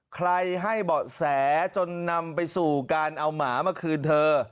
ให้เบาะแสจนนำไปสู่การเอาหมามาคืนเธอ